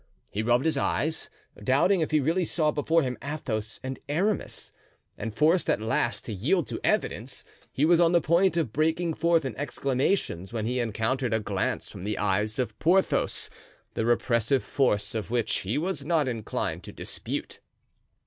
He rubbed his eyes, doubting if he really saw before him Athos and Aramis; and forced at last to yield to evidence, he was on the point of breaking forth in exclamations when he encountered a glance from the eyes of Porthos, the repressive force of which he was not inclined to dispute.